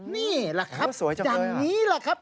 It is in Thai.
นี่แหละครับอย่างนี้แหละครับ